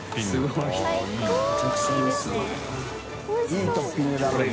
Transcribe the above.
いいトッピングだねこれ。